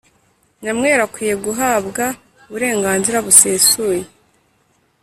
Nyamweru akwiye guhabwa uburenganzira busesuye